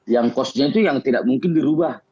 yang costnya itu yang tidak mungkin dirubah